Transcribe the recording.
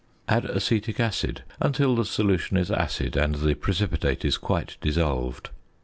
Add acetic acid until the solution is acid and the precipitate is quite dissolved.